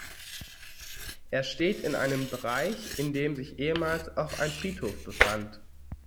Er steht in einem Bereich, in dem sich ehemals auch ein Friedhof befand.